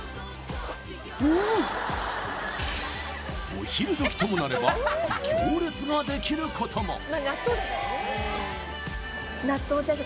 お昼時ともなれば行列ができることも納豆蛇口